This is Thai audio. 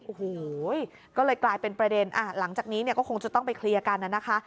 โอ้โหก็เลยกลายเป็นประเด็นหลังจากนี้เนี่ยก็คงจะต้องไปเคลียร์กันนะคะ